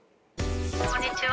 こんにちは。